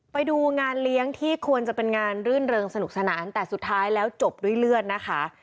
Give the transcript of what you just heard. ไปดูงานเลี้ยงที่ควรจะเป็นงานรื่นเริงสนุกสนานแต่สุดท้ายแล้วจบด้วยเลือดนะคะ